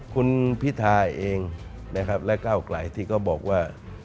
คุณพิทาเองนะครับและก้าวไกลที่เขาบอกว่า